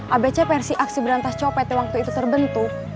abc versi aksi berantas copet yang waktu itu terbentuk